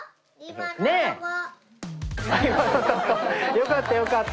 よかったよかった。